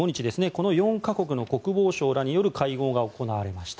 この４か国の国防相らによる会合が行われました。